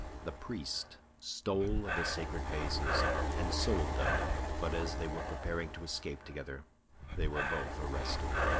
The priest stole the sacred vases, and sold them; but as they were preparing to escape together, they were both arrested.